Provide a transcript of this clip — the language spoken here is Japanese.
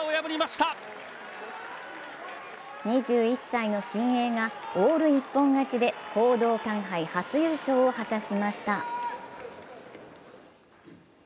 ２１歳の新鋭がオール一本勝ちで講道館杯初優勝を果たしました。